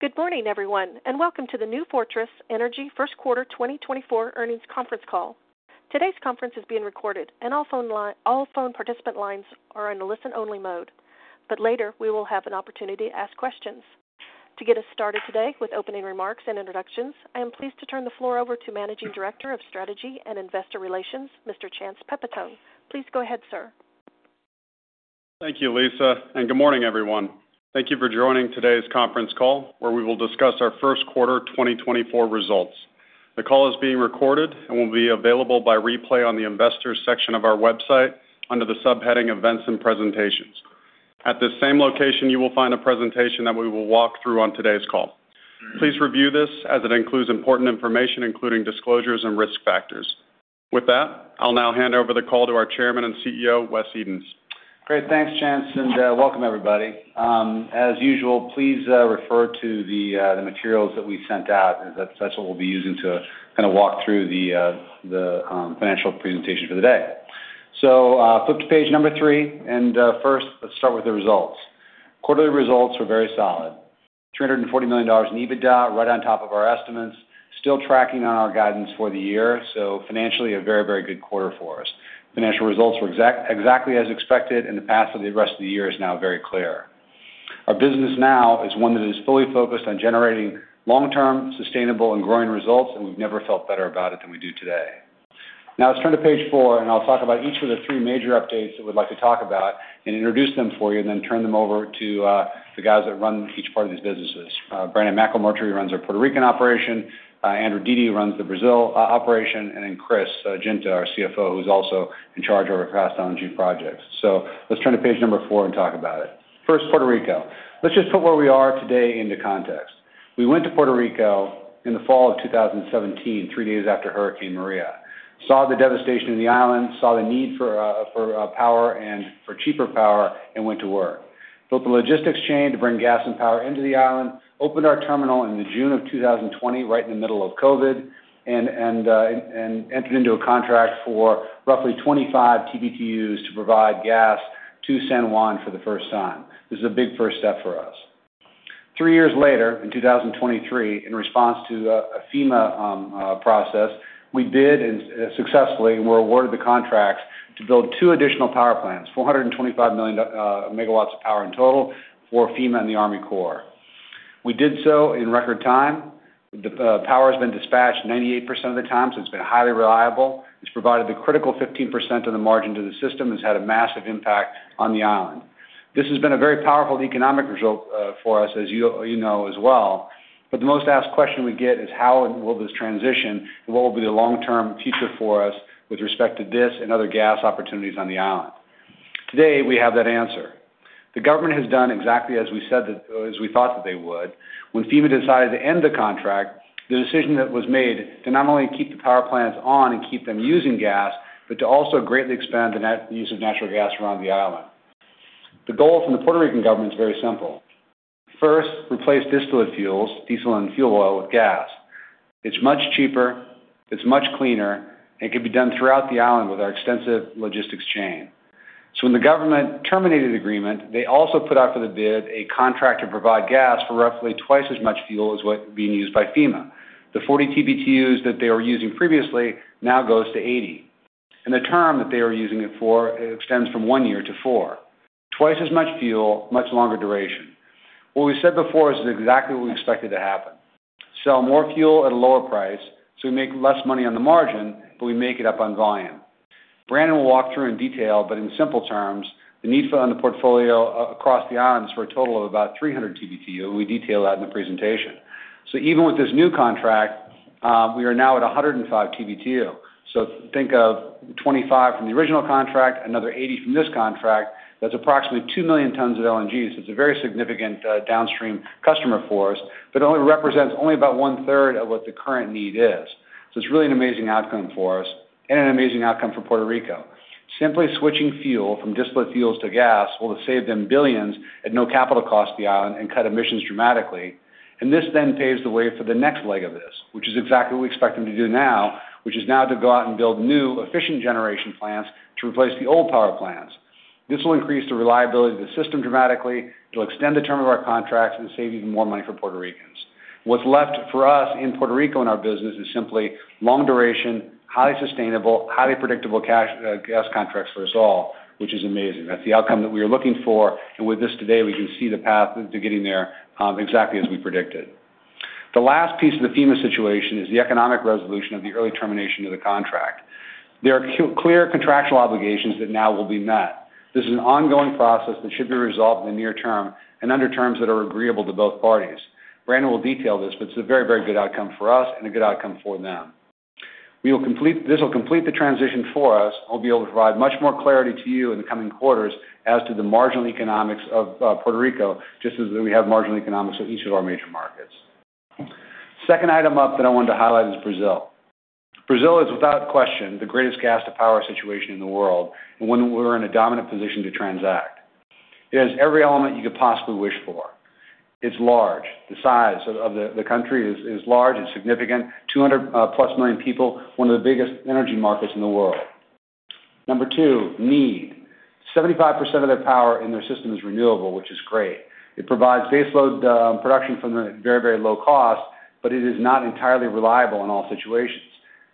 Good morning, everyone, and welcome to the New Fortress Energy First Quarter 2024 Earnings Conference Call. Today's conference is being recorded, and all phone participant lines are in listen-only mode, but later we will have an opportunity to ask questions. To get us started today with opening remarks and introductions, I am pleased to turn the floor over to Managing Director of Strategy and Investor Relations, Mr. Chance Pipitone. Please go ahead, sir. Thank you, Lisa, and good morning, everyone. Thank you for joining today's conference call, where we will discuss our First Quarter 2024 results. The call is being recorded and will be available by replay on the Investors section of our website under the subheading Events and Presentations. At this same location, you will find a presentation that we will walk through on today's call. Please review this as it includes important information, including disclosures and risk factors. With that, I'll now hand over the call to our Chairman and CEO, Wes Edens. Great. Thanks, Chance, and welcome, everybody. As usual, please refer to the materials that we sent out as that's what we'll be using to kind of walk through the financial presentation for the day. Flip to page number three, and first, let's start with the results. Quarterly results were very solid: $340 million in EBITDA, right on top of our estimates, still tracking on our guidance for the year. Financially, a very, very good quarter for us. Financial results were exactly as expected in the past, so the rest of the year is now very clear. Our business now is one that is fully focused on generating long-term, sustainable, and growing results, and we've never felt better about it than we do today. Now let's turn to page four, and I'll talk about each of the three major updates that we'd like to talk about and introduce them for you, and then turn them over to the guys that run each part of these businesses. Brannen McElmurray, who runs our Puerto Rican operation; Andrew Dete runs the Brazil operation; and then Chris Guinta, our CFO, who's also in charge of our Fast LNG projects. Let's turn to page 4 and talk about it. First, Puerto Rico. Let's just put where we are today into context. We went to Puerto Rico in the fall of 2017, three days after Hurricane Maria, saw the devastation of the island, saw the need for power and for cheaper power, and went to work. Built the logistics chain to bring gas and power into the island, opened our terminal in June of 2020, right in the middle of COVID, and entered into a contract for roughly 25 TBTUs to provide gas to San Juan for the first time. This is a big first step for us. Three years later, in 2023, in response to a FEMA process, we bid successfully, and were awarded the contracts to build two additional power plants, 425 million MW of power in total for FEMA and the Army Corps. We did so in record time. The power has been dispatched 98% of the time, so it's been highly reliable. It's provided the critical 15% of the margin to the system and has had a massive impact on the island. This has been a very powerful economic result for us, as you know as well, but the most asked question we get is, "How will this transition, and what will be the long-term future for us with respect to this and other gas opportunities on the island?" Today, we have that answer. The government has done exactly as we said that as we thought that they would. When FEMA decided to end the contract, the decision that was made to not only keep the power plants on and keep them using gas but to also greatly expand the use of natural gas around the island. The goal from the Puerto Rican government is very simple: first, replace distillate fuels, diesel and fuel oil, with gas. It's much cheaper, it's much cleaner, and it can be done throughout the island with our extensive logistics chain. So when the government terminated the agreement, they also put out for the bid a contract to provide gas for roughly twice as much fuel as what's being used by FEMA. The 40 TBTUs that they were using previously now goes to 80, and the term that they were using it for extends from one year to four. Twice as much fuel, much longer duration. What we said before is exactly what we expected to happen: sell more fuel at a lower price so we make less money on the margin, but we make it up on volume. Brannen will walk through in detail, but in simple terms, the need for on the portfolio across the island is for a total of about 300 TBTU, and we detail that in the presentation. So even with this new contract, we are now at 105 TBTU. So think of 25 from the original contract, another 80 from this contract. That's approximately 2 million tons of LNG, so it's a very significant downstream customer for us, but it only represents only about one-third of what the current need is. So it's really an amazing outcome for us and an amazing outcome for Puerto Rico. Simply switching fuel from distillate fuels to gas will save them billions at no capital cost to the island and cut emissions dramatically. And this then paves the way for the next leg of this, which is exactly what we expect them to do now, which is now to go out and build new efficient generation plants to replace the old power plants. This will increase the reliability of the system dramatically. It'll extend the term of our contracts and save even more money for Puerto Ricans. What's left for us in Puerto Rico and our business is simply long-duration, highly sustainable, highly predictable gas contracts for us all, which is amazing. That's the outcome that we are looking for, and with this today, we can see the path to getting there exactly as we predicted. The last piece of the FEMA situation is the economic resolution of the early termination of the contract. There are clear contractual obligations that now will be met. This is an ongoing process that should be resolved in the near term and under terms that are agreeable to both parties. Brannen will detail this, but it's a very, very good outcome for us and a good outcome for them. This will complete the transition for us, and we'll be able to provide much more clarity to you in the coming quarters as to the marginal economics of Puerto Rico, just as we have marginal economics of each of our major markets. Second item up that I wanted to highlight is Brazil. Brazil is, without question, the greatest gas-to-power situation in the world, and one where we're in a dominant position to transact. It has every element you could possibly wish for. It's large. The size of the country is large. It's significant: 200+ million people, one of the biggest energy markets in the world. Number two, need. 75% of their power in their system is renewable, which is great. It provides baseload production for a very, very low cost, but it is not entirely reliable in all situations.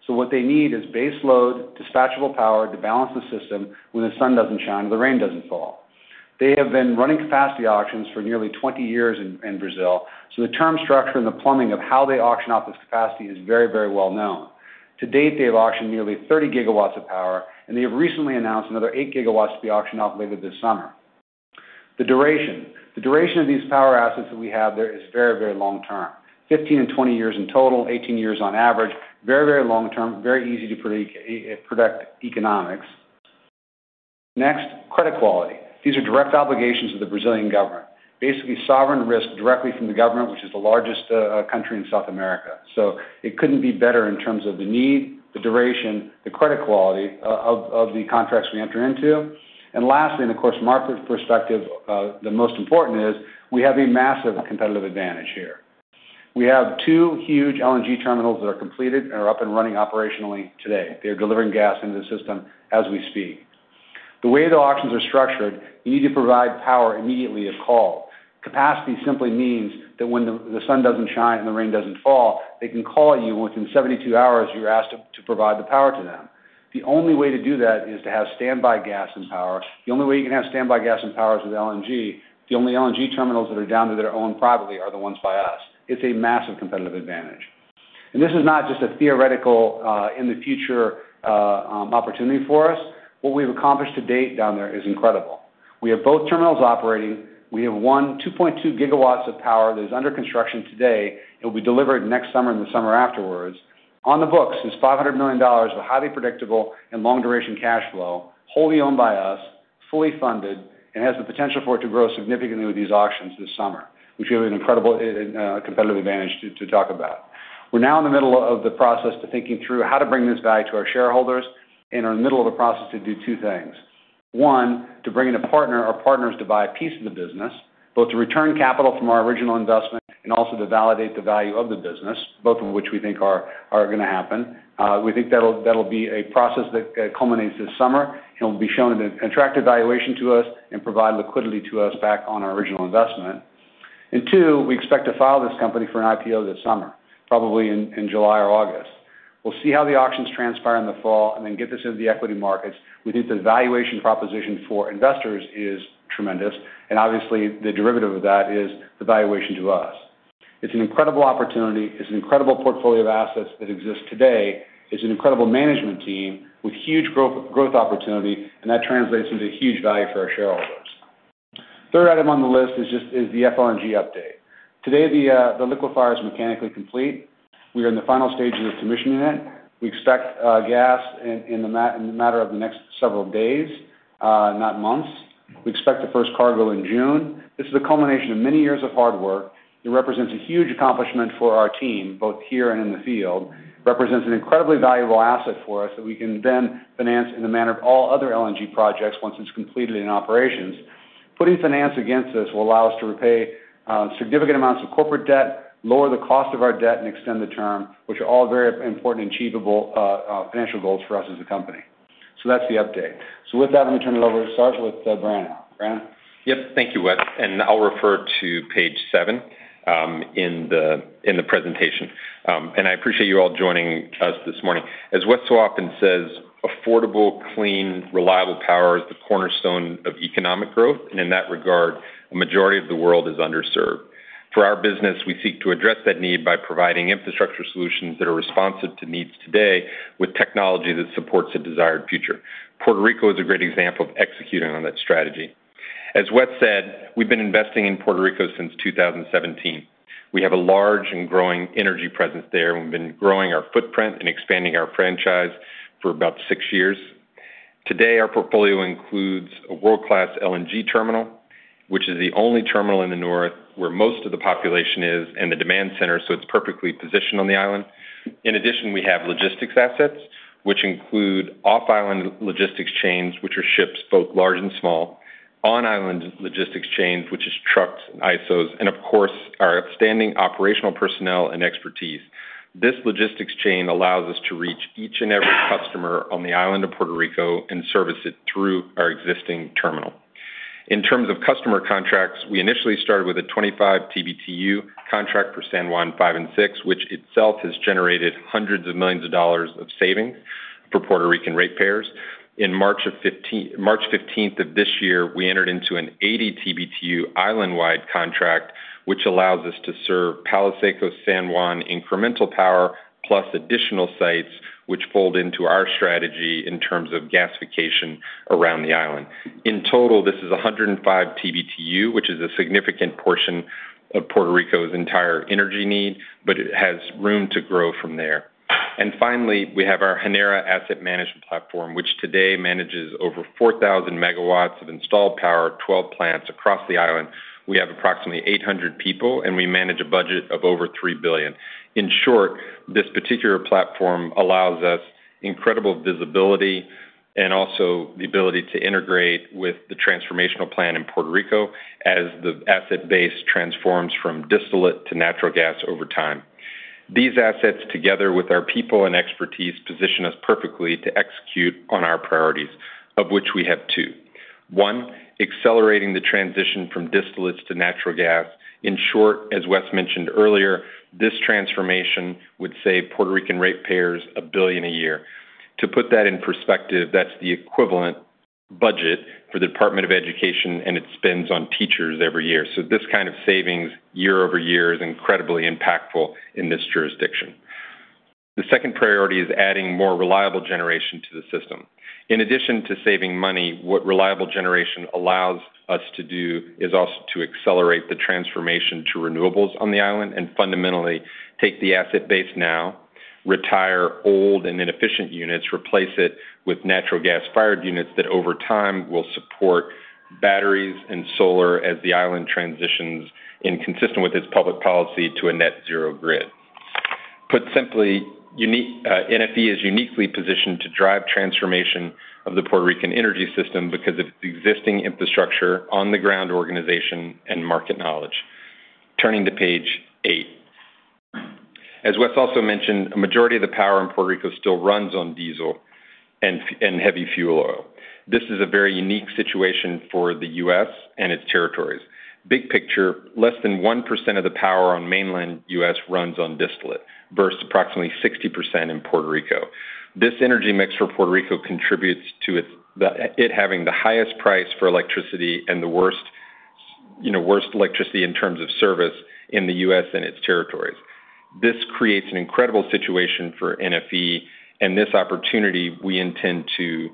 So what they need is baseload, dispatchable power to balance the system when the sun doesn't shine or the rain doesn't fall. They have been running capacity auctions for nearly 20 years in Brazil, so the term structure and the plumbing of how they auction off this capacity is very, very well known. To date, they have auctioned nearly 30 GW of power, and they have recently announced another 8 GW to be auctioned off later this summer. The duration of these power assets that we have there is very, very long-term: 15 and 20 years in total, 18 years on average. Very, very long-term, very easy to predict economics. Next, credit quality. These are direct obligations of the Brazilian government, basically sovereign risk directly from the government, which is the largest country in South America. So it couldn't be better in terms of the need, the duration, the credit quality of the contracts we enter into. And lastly, and of course, from our perspective, the most important is we have a massive competitive advantage here. We have two huge LNG terminals that are completed and are up and running operationally today. They are delivering gas into the system as we speak. The way the auctions are structured, you need to provide power immediately at call. Capacity simply means that when the sun doesn't shine and the rain doesn't fall, they can call you, and within 72 hours, you're asked to provide the power to them. The only way to do that is to have standby gas and power. The only way you can have standby gas and power is with LNG. The only LNG terminals that are down there that are owned privately are the ones by us. It's a massive competitive advantage. This is not just a theoretical in-the-future opportunity for us. What we've accomplished to date down there is incredible. We have both terminals operating. We have one 2.2 GW of power that is under construction today, and it will be delivered next summer and the summer afterwards. On the books is $500 million of highly predictable and long-duration cash flow, wholly owned by us, fully funded, and has the potential for it to grow significantly with these auctions this summer, which we have an incredible competitive advantage to talk about. We're now in the middle of the process of thinking through how to bring this value to our shareholders, and we're in the middle of the process to do two things: one, to bring in a partner or partners to buy a piece of the business, both to return capital from our original investment and also to validate the value of the business, both of which we think are going to happen. We think that'll be a process that culminates this summer, and it'll be shown an attractive valuation to us and provide liquidity to us back on our original investment. And two, we expect to file this company for an IPO this summer, probably in July or August. We'll see how the auctions transpire in the fall and then get this into the equity markets. We think the valuation proposition for investors is tremendous, and obviously, the derivative of that is the valuation to us. It's an incredible opportunity. It's an incredible portfolio of assets that exists today. It's an incredible management team with huge growth opportunity, and that translates into huge value for our shareholders. Third item on the list is the FLNG update. Today, the liquefier is mechanically complete. We are in the final stages of commissioning it. We expect gas in the matter of the next several days, not months. We expect the first cargo in June. This is the culmination of many years of hard work. It represents a huge accomplishment for our team, both here and in the field. It represents an incredibly valuable asset for us that we can then finance in the manner of all other LNG projects once it's completed in operations. Putting finance against this will allow us to repay significant amounts of corporate debt, lower the cost of our debt, and extend the term, which are all very important and achievable financial goals for us as a company. That's the update. With that, let me turn it over to start with Brannen. Brannen? Yep. Thank you, Wes. And I'll refer to page seven in the presentation, and I appreciate you all joining us this morning. As Wes so often says, "Affordable, clean, reliable power is the cornerstone of economic growth, and in that regard, a majority of the world is underserved." For our business, we seek to address that need by providing infrastructure solutions that are responsive to needs today with technology that supports a desired future. Puerto Rico is a great example of executing on that strategy. As Wes said, we've been investing in Puerto Rico since 2017. We have a large and growing energy presence there, and we've been growing our footprint and expanding our franchise for about six years. Today, our portfolio includes a world-class LNG terminal, which is the only terminal in the north where most of the population is and the demand center, so it's perfectly positioned on the island. In addition, we have logistics assets, which include off-island logistics chains, which are ships both large and small, on-island logistics chains, which are trucks and ISOs, and of course, our outstanding operational personnel and expertise. This logistics chain allows us to reach each and every customer on the island of Puerto Rico and service it through our existing terminal. In terms of customer contracts, we initially started with a 25 TBTU contract for San Juan 5 and 6, which itself has generated hundreds of millions of savings for Puerto Rican ratepayers. In March 15th of this year, we entered into an 80 TBTU islandwide contract, which allows us to serve Palo Seco, San Juan, incremental power plus additional sites, which fold into our strategy in terms of gasification around the island. In total, this is 105 TBTU, which is a significant portion of Puerto Rico's entire energy need, but it has room to grow from there. And finally, we have our Genera Asset Management Platform, which today manages over 4,000 MW of installed power at 12 plants across the island. We have approximately 800 people, and we manage a budget of over $3 billion. In short, this particular platform allows us incredible visibility and also the ability to integrate with the transformational plan in Puerto Rico as the asset base transforms from distillate to natural gas over time. These assets, together with our people and expertise, position us perfectly to execute on our priorities, of which we have two. One, accelerating the transition from distillates to natural gas. In short, as Wes mentioned earlier, this transformation would save Puerto Rican ratepayers $1 billion a year. To put that in perspective, that's the equivalent budget for the Department of Education and its spends on teachers every year. So this kind of savings year-over-year is incredibly impactful in this jurisdiction. The second priority is adding more reliable generation to the system. In addition to saving money, what reliable generation allows us to do is also to accelerate the transformation to renewables on the island and fundamentally take the asset base now, retire old and inefficient units, replace it with natural gas-fired units that over time will support batteries and solar as the island transitions, consistent with its public policy to a net-zero grid. Put simply, NFE is uniquely positioned to drive transformation of the Puerto Rican energy system because of its existing infrastructure, on-the-ground organization, and market knowledge. Turning to page eight. As Wes also mentioned, a majority of the power in Puerto Rico still runs on diesel and heavy fuel oil. This is a very unique situation for the U.S. and its territories. Big picture, less than 1% of the power on mainland U.S. runs on distillate, versus approximately 60% in Puerto Rico. This energy mix for Puerto Rico contributes to it having the highest price for electricity and the worst electricity in terms of service in the U.S. and its territories. This creates an incredible situation for NFE, and this opportunity we intend to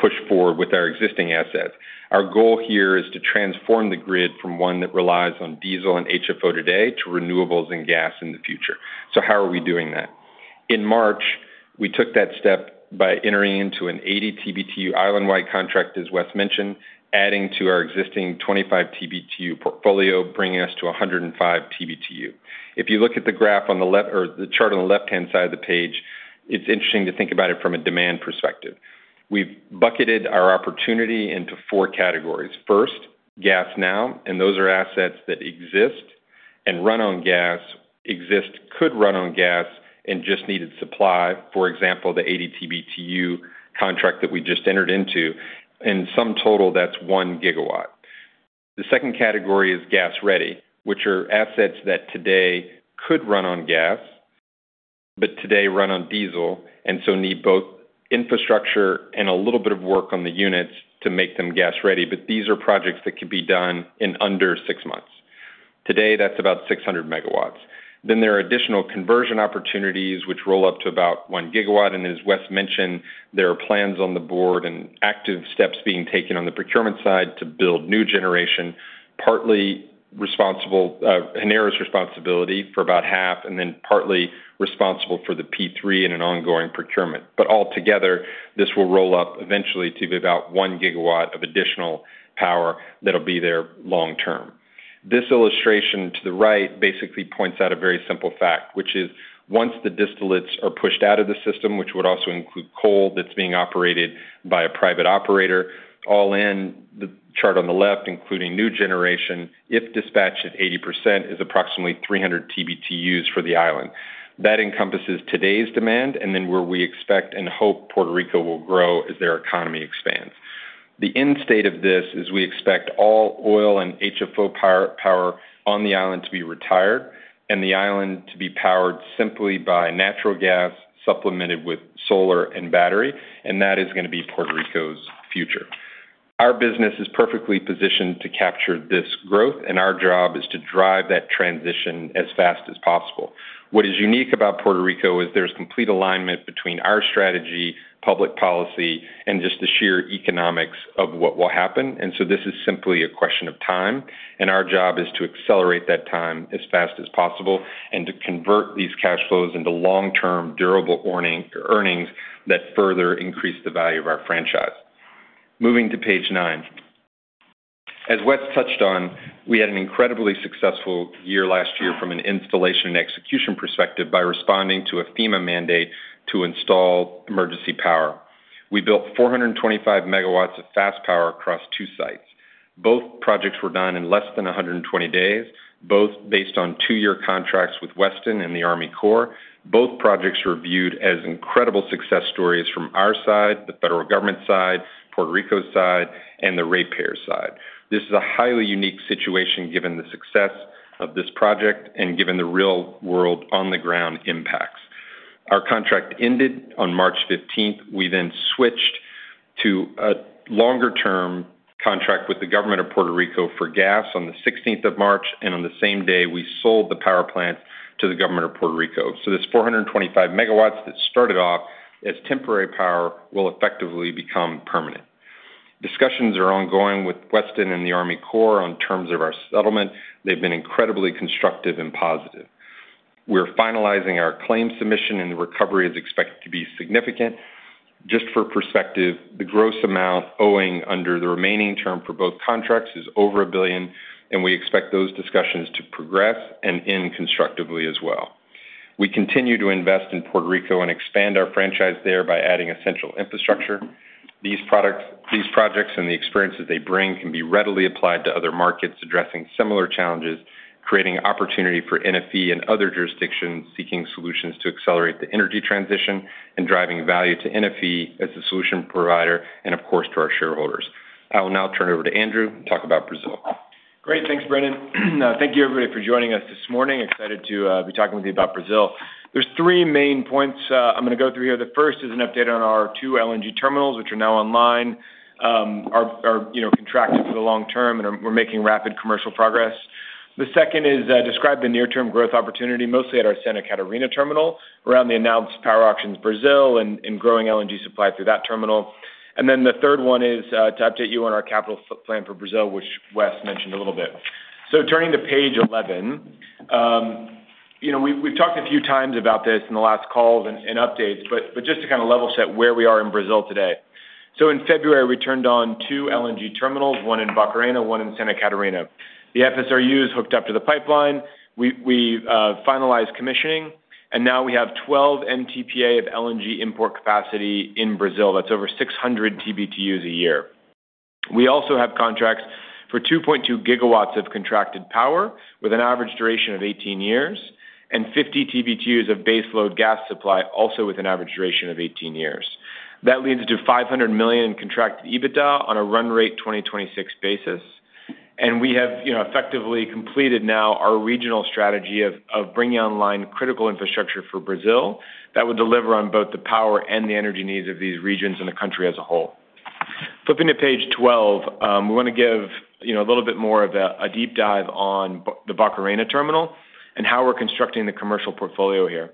push forward with our existing assets. Our goal here is to transform the grid from one that relies on diesel and HFO today to renewables and gas in the future. So how are we doing that? In March, we took that step by entering into an 80 TBTU islandwide contract, as Wes mentioned, adding to our existing 25 TBTU portfolio, bringing us to 105 TBTU. If you look at the graph on the left or the chart on the left-hand side of the page, it's interesting to think about it from a demand perspective. We've bucketed our opportunity into four categories. First, gas now, and those are assets that exist and run on gas, exist, could run on gas, and just needed supply, for example, the 80 TBTU contract that we just entered into. In sum total, that's one gigawatt. The second category is gas-ready, which are assets that today could run on gas but today run on diesel and so need both infrastructure and a little bit of work on the units to make them gas-ready, but these are projects that could be done in under six months. Today, that's about 600 MW. Then there are additional conversion opportunities, which roll up to about one gigawatt. And as Wes mentioned, there are plans on the board and active steps being taken on the procurement side to build new generation, partly Genera PR's responsibility for about half and then partly responsible for the P3 and an ongoing procurement. Altogether, this will roll up eventually to about 1 GW of additional power that'll be there long-term. This illustration to the right basically points out a very simple fact, which is once the distillates are pushed out of the system, which would also include coal that's being operated by a private operator, all in the chart on the left, including new generation, if dispatch at 80%, is approximately 300 TBTUs for the island. That encompasses today's demand and then where we expect and hope Puerto Rico will grow as their economy expands. The end state of this is we expect all oil and HFO power on the island to be retired and the island to be powered simply by natural gas supplemented with solar and battery, and that is going to be Puerto Rico's future. Our business is perfectly positioned to capture this growth, and our job is to drive that transition as fast as possible. What is unique about Puerto Rico is there's complete alignment between our strategy, public policy, and just the sheer economics of what will happen. And so this is simply a question of time, and our job is to accelerate that time as fast as possible and to convert these cash flows into long-term, durable earnings that further increase the value of our franchise. Moving to page nine. As Wes touched on, we had an incredibly successful year last year from an installation and execution perspective by responding to a FEMA mandate to install emergency power. We built 425 MW of fast power across two sites. Both projects were done in less than 120 days, both based on two-year contracts with Weston and the Army Corps. Both projects were viewed as incredible success stories from our side, the federal government side, Puerto Rico's side, and the ratepayer side. This is a highly unique situation given the success of this project and given the real-world on-the-ground impacts. Our contract ended on March 15th. We then switched to a longer-term contract with the government of Puerto Rico for gas on the 16th of March, and on the same day, we sold the power plants to the government of Puerto Rico. So this 425 MW that started off as temporary power will effectively become permanent. Discussions are ongoing with Weston and the Army Corps on terms of our settlement. They've been incredibly constructive and positive. We're finalizing our claim submission, and the recovery is expected to be significant. Just for perspective, the gross amount owing under the remaining term for both contracts is over $1 billion, and we expect those discussions to progress and end constructively as well. We continue to invest in Puerto Rico and expand our franchise there by adding essential infrastructure. These projects and the experiences they bring can be readily applied to other markets addressing similar challenges, creating opportunity for NFE and other jurisdictions seeking solutions to accelerate the energy transition and driving value to NFE as a solution provider and, of course, to our shareholders. I will now turn it over to Andrew to talk about Brazil. Great. Thanks, Brannen. Thank you, everybody, for joining us this morning. Excited to be talking with you about Brazil. There's three main points I'm going to go through here. The first is an update on our two LNG terminals, which are now online, are contracted for the long term, and we're making rapid commercial progress. The second is describe the near-term growth opportunity, mostly at our Santa Catarina terminal, around the announced power auctions Brazil and growing LNG supply through that terminal. And then the third one is to update you on our capital plan for Brazil, which Wes mentioned a little bit. So turning to page 11. We've talked a few times about this in the last calls and updates, but just to kind of level set where we are in Brazil today. So in February, we turned on two LNG terminals, one in Barcarena, one in Santa Catarina. The FSRUs hooked up to the pipeline. We finalized commissioning, and now we have 12 MTPA of LNG import capacity in Brazil. That's over 600 TBTUs a year. We also have contracts for 2.2 GW of contracted power with an average duration of 18 years and 50 TBTUs of baseload gas supply, also with an average duration of 18 years. That leads to $500 million in contracted EBITDA on a run-rate 2026 basis. We have effectively completed now our regional strategy of bringing online critical infrastructure for Brazil that would deliver on both the power and the energy needs of these regions and the country as a whole. Flipping to page 12, we want to give a little bit more of a deep dive on the Barcarena terminal and how we're constructing the commercial portfolio here.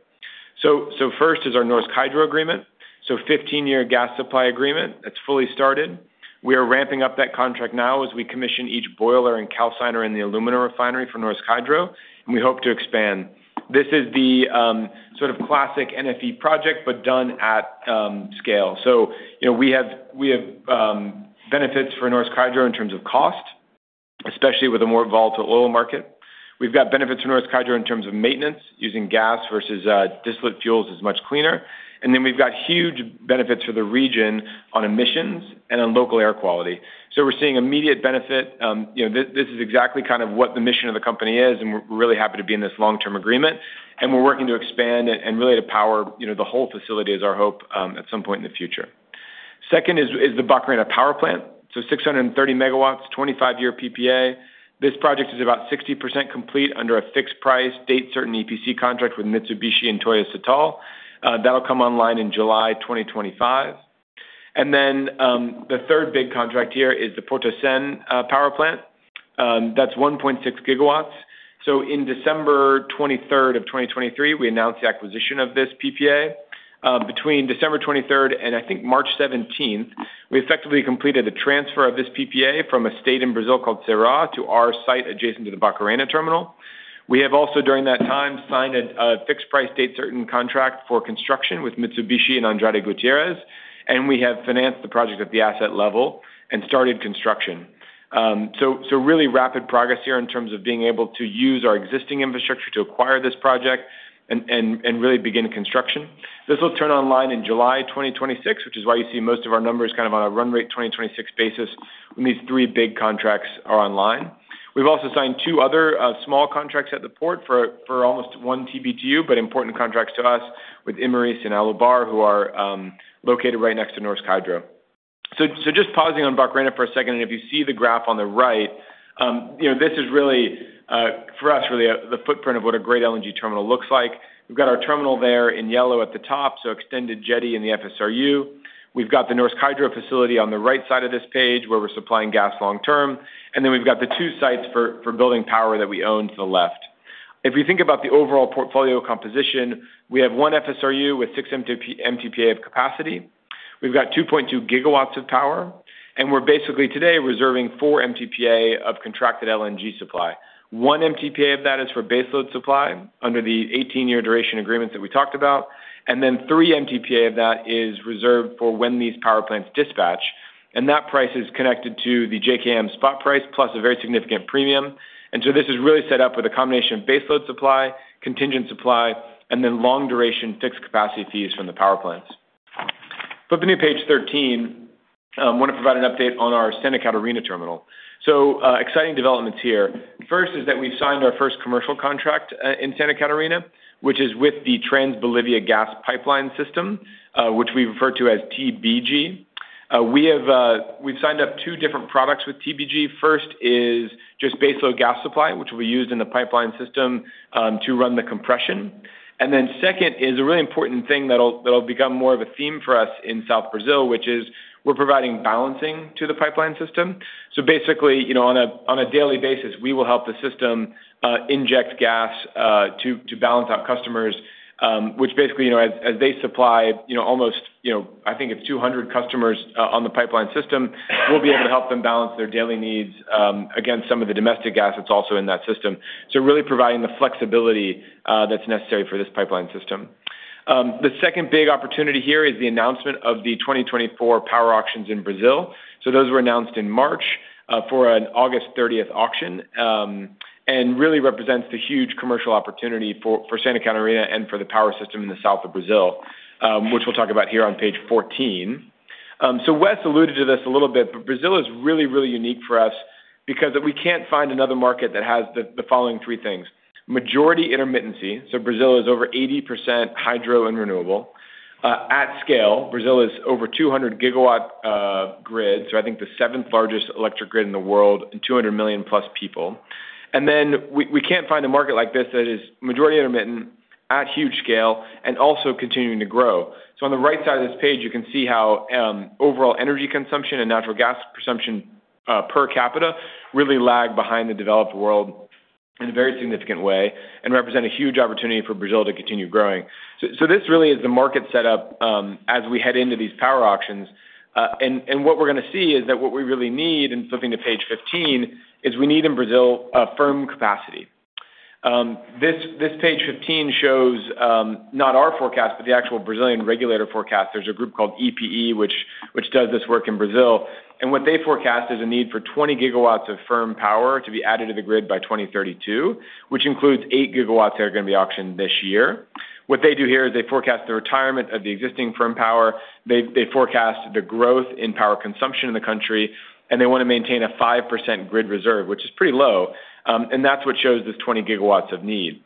So first is our Norsk Hydro Agreement, so 15-year gas supply agreement that's fully started. We are ramping up that contract now as we commission each boiler and calciner in the aluminum refinery for Norsk Hydro, and we hope to expand. This is the sort of classic NFE project but done at scale. So we have benefits for Norsk Hydro in terms of cost, especially with a more volatile oil market. We've got benefits for Norsk Hydro in terms of maintenance using gas versus distillate fuels is much cleaner. And then we've got huge benefits for the region on emissions and on local air quality. So we're seeing immediate benefit. This is exactly kind of what the mission of the company is, and we're really happy to be in this long-term agreement. And we're working to expand it and really to power the whole facility is our hope at some point in the future. Second is the Barcarena power plant, so 630 MW, 25-year PPA. This project is about 60% complete under a fixed price, date certain EPC contract with Mitsubishi and Toyo Setal. That'll come online in July 2025. And then the third big contract here is the Portocem power plant. That's 1.6 GW. So on December 23rd of 2023, we announced the acquisition of this PPA. Between December 23rd and, I think, March 17th, we effectively completed the transfer of this PPA from a state in Brazil called Ceará to our site adjacent to the Barcarena terminal. We have also, during that time, signed a fixed price, date certain contract for construction with Mitsubishi and Andrade Gutierrez, and we have financed the project at the asset level and started construction. So really rapid progress here in terms of being able to use our existing infrastructure to acquire this project and really begin construction. This will turn online in July 2026, which is why you see most of our numbers kind of on a run-rate 2026 basis when these three big contracts are online. We've also signed two other small contracts at the port for almost 1 TBTU but important contracts to us with Imerys and Alubar, who are located right next to Norsk Hydro. So just pausing on Barcarena for a second, and if you see the graph on the right, this is really, for us, really the footprint of what a great LNG terminal looks like. We've got our terminal there in yellow at the top, so extended jetty in the FSRU. We've got the Norsk Hydro facility on the right side of this page where we're supplying gas long-term. And then we've got the two sites for building power that we own to the left. If you think about the overall portfolio composition, we have one FSRU with 6 MTPA of capacity. We've got 2.2 GW of power, and we're basically, today, reserving 4 MTPA of contracted LNG supply. 1 MTPA of that is for baseload supply under the 18-year duration agreements that we talked about, and then 3 MTPA of that is reserved for when these power plants dispatch. And that price is connected to the JKM spot price plus a very significant premium. This is really set up with a combination of baseload supply, contingent supply, and then long-duration fixed capacity fees from the power plants. Flipping to page 13, I want to provide an update on our Santa Catarina terminal. Exciting developments here. First is that we've signed our first commercial contract in Santa Catarina, which is with the Trans-Bolivia Gas Pipeline System, which we refer to as TBG. We've signed up two different products with TBG. First is just baseload gas supply, which will be used in the pipeline system to run the compression. And then second is a really important thing that'll become more of a theme for us in South Brazil, which is we're providing balancing to the pipeline system. So basically, on a daily basis, we will help the system inject gas to balance out customers, which basically, as they supply almost, I think it's 200 customers on the pipeline system, we'll be able to help them balance their daily needs against some of the domestic gas that's also in that system. So really providing the flexibility that's necessary for this pipeline system. The second big opportunity here is the announcement of the 2024 power auctions in Brazil. So those were announced in March for an August 30th auction and really represents the huge commercial opportunity for Santa Catarina and for the power system in the south of Brazil, which we'll talk about here on page 14. So Wes alluded to this a little bit, but Brazil is really, really unique for us because we can't find another market that has the following three things: majority intermittency, so Brazil is over 80% hydro and renewable. At scale, Brazil is over 200 GW grid, so I think the seventh-largest electric grid in the world and 200 million-plus people. And then we can't find a market like this that is majority intermittent, at huge scale, and also continuing to grow. So on the right side of this page, you can see how overall energy consumption and natural gas consumption per capita really lag behind the developed world in a very significant way and represent a huge opportunity for Brazil to continue growing. So this really is the market setup as we head into these power auctions. What we're going to see is that what we really need, and flipping to page 15, is we need in Brazil firm capacity. This page 15 shows not our forecast but the actual Brazilian regulator forecast. There's a group called EPE, which does this work in Brazil. What they forecast is a need for 20 GW of firm power to be added to the grid by 2032, which includes 8 GW that are going to be auctioned this year. What they do here is they forecast the retirement of the existing firm power. They forecast the growth in power consumption in the country, and they want to maintain a 5% grid reserve, which is pretty low. That's what shows this 20 GW of need.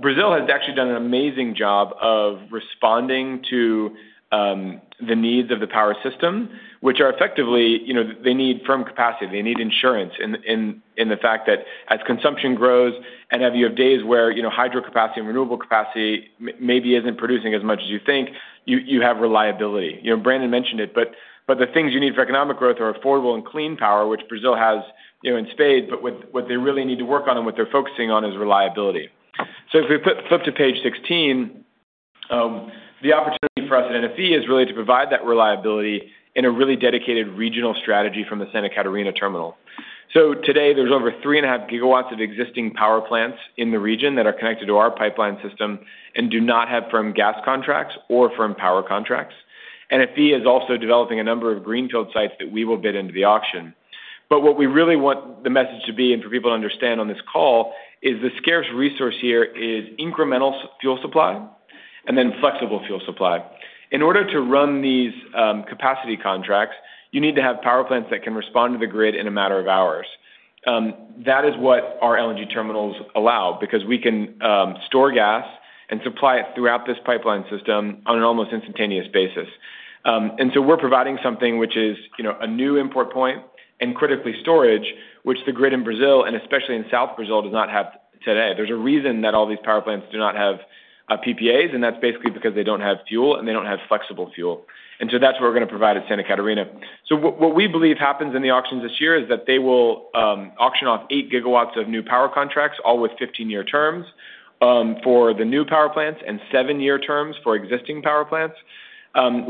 Brazil has actually done an amazing job of responding to the needs of the power system, which are effectively they need firm capacity. They need insurance in the fact that as consumption grows and you have days where hydro capacity and renewable capacity maybe isn't producing as much as you think, you have reliability. Brannen mentioned it, but the things you need for economic growth are affordable and clean power, which Brazil has in spades. But what they really need to work on and what they're focusing on is reliability. So if we flip to page 16, the opportunity for us at NFE is really to provide that reliability in a really dedicated regional strategy from the Santa Catarina terminal. So today, there's over 3.5 GW of existing power plants in the region that are connected to our pipeline system and do not have firm gas contracts or firm power contracts. NFE is also developing a number of greenfield sites that we will bid into the auction. What we really want the message to be and for people to understand on this call is the scarce resource here is incremental fuel supply and then flexible fuel supply. In order to run these capacity contracts, you need to have power plants that can respond to the grid in a matter of hours. That is what our LNG terminals allow because we can store gas and supply it throughout this pipeline system on an almost instantaneous basis. And so we're providing something which is a new import point and critically storage, which the grid in Brazil and especially in South Brazil does not have today. There's a reason that all these power plants do not have PPAs, and that's basically because they don't have fuel and they don't have flexible fuel. And so that's what we're going to provide at Santa Catarina. So what we believe happens in the auctions this year is that they will auction off 8 GW of new power contracts, all with 15-year terms for the new power plants and seven-year terms for existing power plants.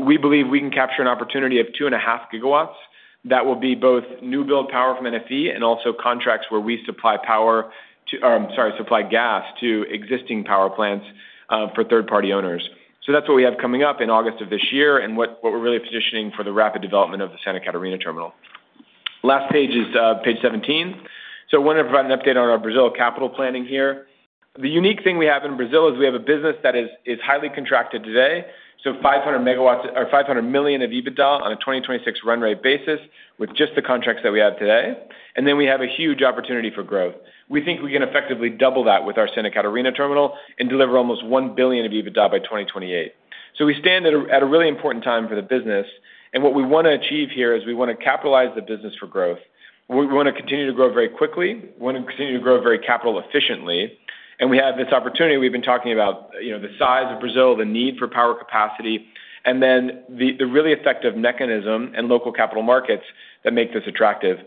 We believe we can capture an opportunity of 2.5 GW. That will be both new-build power from NFE and also contracts where we supply power to sorry, supply gas to existing power plants for third-party owners. So that's what we have coming up in August of this year and what we're really positioning for the rapid development of the Santa Catarina terminal. Last page is page 17. So I wanted to provide an update on our Brazil capital planning here. The unique thing we have in Brazil is we have a business that is highly contracted today, so 500 MW or $500 million of EBITDA on a 2026 run-rate basis with just the contracts that we have today. And then we have a huge opportunity for growth. We think we can effectively double that with our Santa Catarina terminal and deliver almost $1 billion of EBITDA by 2028. So we stand at a really important time for the business, and what we want to achieve here is we want to capitalize the business for growth. We want to continue to grow very quickly. We want to continue to grow very capital efficiently. And we have this opportunity we've been talking about, the size of Brazil, the need for power capacity, and then the really effective mechanism and local capital markets that make this attractive.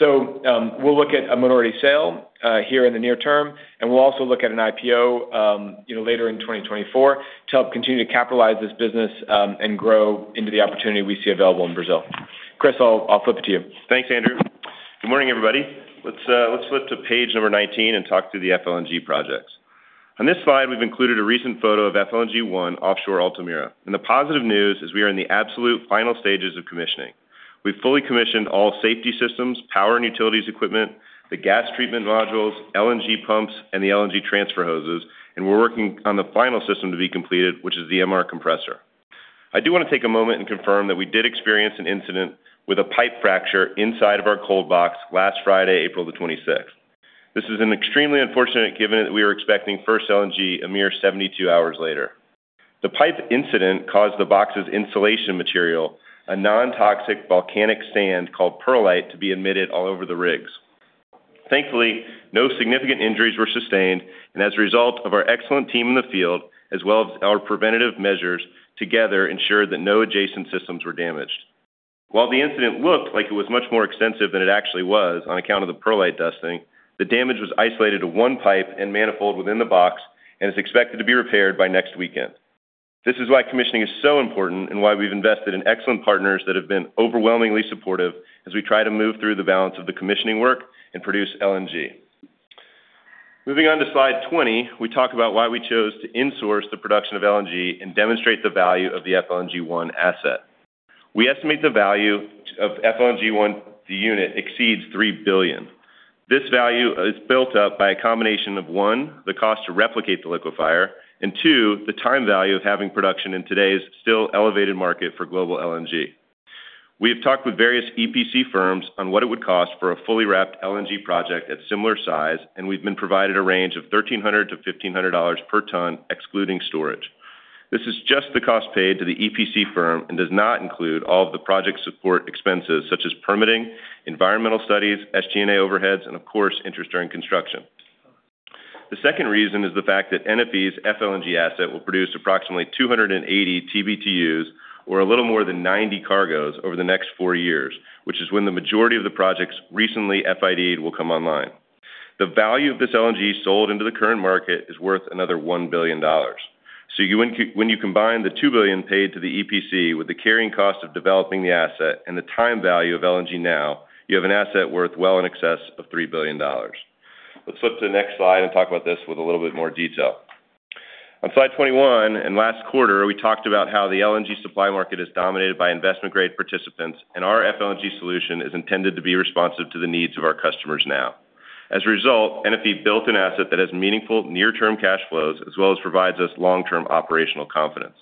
We'll look at a minority sale here in the near term, and we'll also look at an IPO later in 2024 to help continue to capitalize this business and grow into the opportunity we see available in Brazil. Chris, I'll flip it to you. Thanks, Andrew. Good morning, everybody. Let's flip to page 19 and talk through the FLNG projects. On this slide, we've included a recent photo of FLNG-1 offshore Altamira. The positive news is we are in the absolute final stages of commissioning. We've fully commissioned all safety systems, power and utilities equipment, the gas treatment modules, LNG pumps, and the LNG transfer hoses, and we're working on the final system to be completed, which is the MR compressor. I do want to take a moment and confirm that we did experience an incident with a pipe fracture inside of our cold box last Friday, April 26th. This is an extremely unfortunate given that we were expecting first LNG a mere 72 hours later. The pipe incident caused the box's insulation material, a non-toxic volcanic sand called perlite, to be emitted all over the rigs. Thankfully, no significant injuries were sustained, and as a result of our excellent team in the field as well as our preventative measures, together ensured that no adjacent systems were damaged. While the incident looked like it was much more extensive than it actually was on account of the perlite dusting, the damage was isolated to one pipe and manifold within the box and is expected to be repaired by next weekend. This is why commissioning is so important and why we've invested in excellent partners that have been overwhelmingly supportive as we try to move through the balance of the commissioning work and produce LNG. Moving on to slide 20, we talk about why we chose to insource the production of LNG and demonstrate the value of the FLNG-1 asset. We estimate the value of FLNG-1, the unit, exceeds $3 billion. This value is built up by a combination of, one, the cost to replicate the liquefier, and, two, the time value of having production in today's still elevated market for global LNG. We have talked with various EPC firms on what it would cost for a fully wrapped LNG project at similar size, and we've been provided a range of $1,300-$1,500 per ton excluding storage. This is just the cost paid to the EPC firm and does not include all of the project support expenses such as permitting, environmental studies, SG&A overheads, and, of course, interest during construction. The second reason is the fact that NFE's FLNG asset will produce approximately 280 TBTUs or a little more than 90 cargoes over the next four years, which is when the majority of the projects recently FID'd will come online. The value of this LNG sold into the current market is worth another $1 billion. So when you combine the $2 billion paid to the EPC with the carrying cost of developing the asset and the time value of LNG now, you have an asset worth well in excess of $3 billion. Let's flip to the next slide and talk about this with a little bit more detail. On slide 21 and last quarter, we talked about how the LNG supply market is dominated by investment-grade participants, and our FLNG solution is intended to be responsive to the needs of our customers now. As a result, NFE built an asset that has meaningful near-term cash flows as well as provides us long-term operational confidence.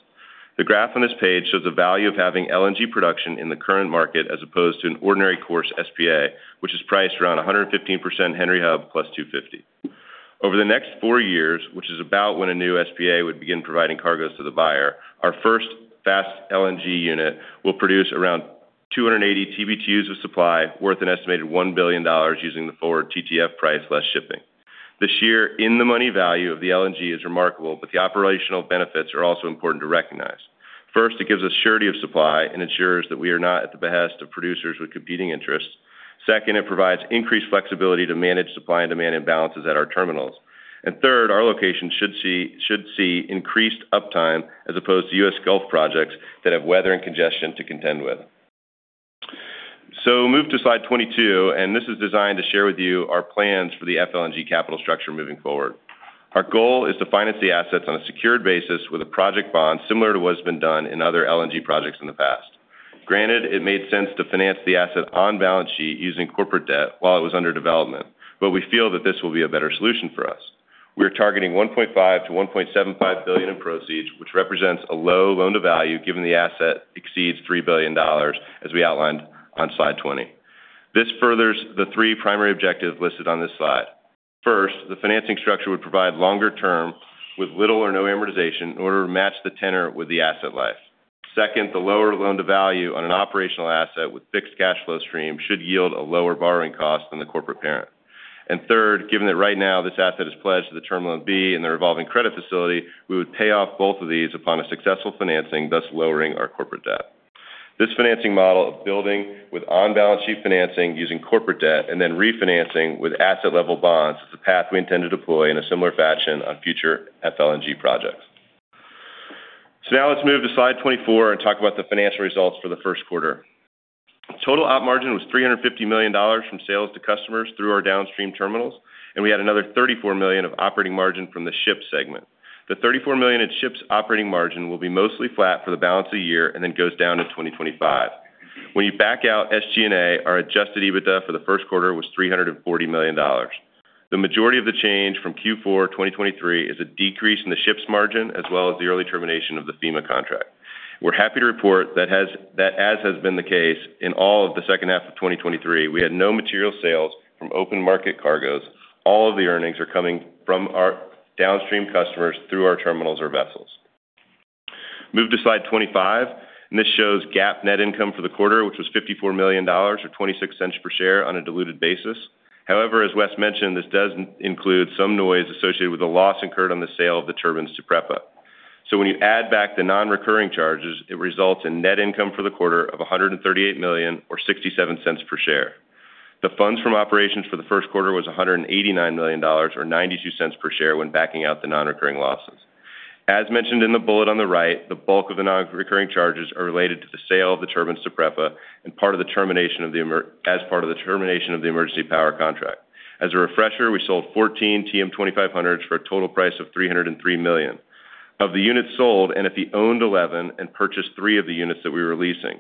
The graph on this page shows the value of having LNG production in the current market as opposed to an ordinary course SPA, which is priced around 115% Henry Hub plus 250. Over the next four years, which is about when a new SPA would begin providing cargoes to the buyer, our first Fast LNG unit will produce around 280 TBTUs of supply worth an estimated $1 billion using the forward TTF price less shipping. This year, in-the-money value of the LNG is remarkable, but the operational benefits are also important to recognize. First, it gives us surety of supply and ensures that we are not at the behest of producers with competing interests. Second, it provides increased flexibility to manage supply and demand imbalances at our terminals. And third, our location should see increased uptime as opposed to U.S. Gulf projects that have weather and congestion to contend with. So move to slide 22, and this is designed to share with you our plans for the FLNG capital structure moving forward. Our goal is to finance the assets on a secured basis with a project bond similar to what's been done in other LNG projects in the past. Granted, it made sense to finance the asset on balance sheet using corporate debt while it was under development, but we feel that this will be a better solution for us. We are targeting $1.5 billion-$1.75 billion in proceeds, which represents a low loan-to-value given the asset exceeds $3 billion, as we outlined on slide 20. This furthers the three primary objectives listed on this slide. First, the financing structure would provide longer-term with little or no amortization in order to match the tenor with the asset life. Second, the lower loan-to-value on an operational asset with fixed cash flow stream should yield a lower borrowing cost than the corporate parent. And third, given that right now this asset is pledged to the Term Loan B in the revolving credit facility, we would pay off both of these upon a successful financing, thus lowering our corporate debt. This financing model of building with on-balance sheet financing using corporate debt and then refinancing with asset-level bonds is the path we intend to deploy in a similar fashion on future FLNG projects. Now let's move to slide 24 and talk about the financial results for the first quarter. Total operating margin was $350 million from sales to customers through our downstream terminals, and we had another $34 million of operating margin from the ships segment. The $34 million in ships operating margin will be mostly flat for the balance of the year and then goes down in 2025. When you back out SG&A, our adjusted EBITDA for the first quarter was $340 million. The majority of the change from Q4 2023 is a decrease in the ships margin as well as the early termination of the FEMA contract. We're happy to report that, as has been the case in all of the second half of 2023, we had no material sales from open market cargoes. All of the earnings are coming from our downstream customers through our terminals or vessels. Move to slide 25, and this shows GAAP net income for the quarter, which was $54 million or $0.26 per share on a diluted basis. However, as Wes mentioned, this does include some noise associated with the loss incurred on the sale of the turbines to PREPA. So when you add back the non-recurring charges, it results in net income for the quarter of $138 million or $0.67 per share. The funds from operations for the first quarter was $189 million or $0.92 per share when backing out the non-recurring losses. As mentioned in the bullet on the right, the bulk of the non-recurring charges are related to the sale of the turbines to PREPA and part of the termination of the emergency power contract. As a refresher, we sold 14 TM2500s for a total price of $303 million. Of the units sold, NFE owned 11 and purchased three of the units that we were leasing.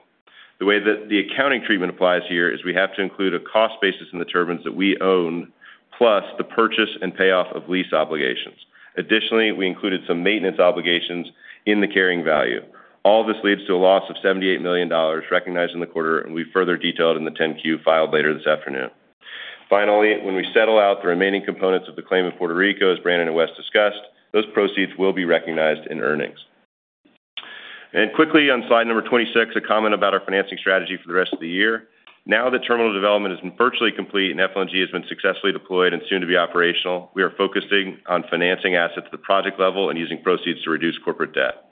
The way that the accounting treatment applies here is we have to include a cost basis in the turbines that we owned plus the purchase and payoff of lease obligations. Additionally, we included some maintenance obligations in the carrying value. All this leads to a loss of $78 million recognized in the quarter, and we further detailed in the 10-Q filed later this afternoon. Finally, when we settle out the remaining components of the claim in Puerto Rico, as Brannen and Wes discussed, those proceeds will be recognized in earnings. Quickly on slide 26, a comment about our financing strategy for the rest of the year. Now that terminal development is virtually complete and FLNG has been successfully deployed and soon to be operational, we are focusing on financing assets at the project level and using proceeds to reduce corporate debt.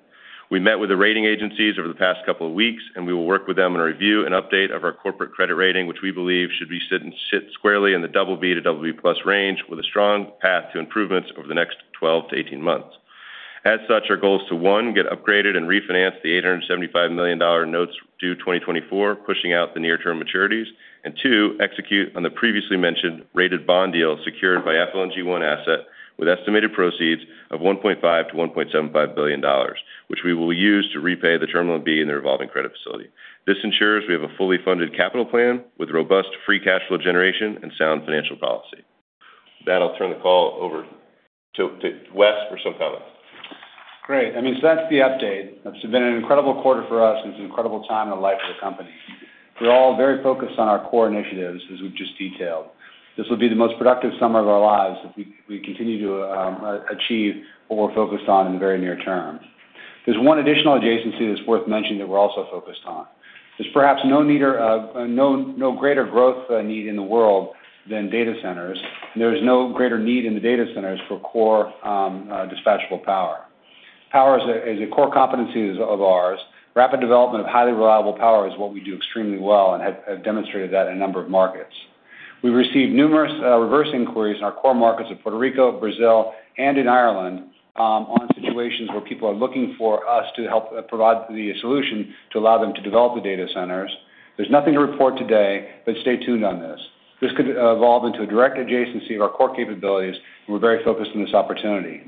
We met with the rating agencies over the past couple of weeks, and we will work with them on a review and update of our corporate credit rating, which we believe should be sitting squarely in the BB to BB plus range with a strong path to improvements over the next 12-18 months. As such, our goal is to, one, get upgraded and refinance the $875 million notes due 2024, pushing out the near-term maturities. And, two, execute on the previously mentioned rated bond deal secured by FLNG1 asset with estimated proceeds of $1.5 billion-$1.75 billion, which we will use to repay the Term Loan B in the revolving credit facility. This ensures we have a fully funded capital plan with robust free cash flow generation and sound financial policy. With that, I'll turn the call over to Wes for some comments. Great. I mean, so that's the update. It's been an incredible quarter for us and it's an incredible time in the life of the company. We're all very focused on our core initiatives, as we've just detailed. This will be the most productive summer of our lives if we continue to achieve what we're focused on in the very near term. There's one additional adjacency that's worth mentioning that we're also focused on. There's perhaps no greater growth need in the world than data centers, and there's no greater need in the data centers for core dispatchable power. Power is a core competency of ours. Rapid development of highly reliable power is what we do extremely well and have demonstrated that in a number of markets. We've received numerous reverse inquiries in our core markets of Puerto Rico, Brazil, and in Ireland on situations where people are looking for us to help provide the solution to allow them to develop the data centers. There's nothing to report today, but stay tuned on this. This could evolve into a direct adjacency of our core capabilities, and we're very focused on this opportunity.